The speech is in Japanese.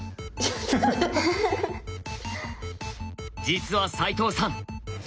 実は齋藤さん